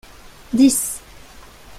dix.